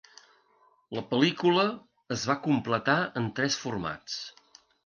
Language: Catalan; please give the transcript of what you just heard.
La pel·lícula es va completar en tres formats.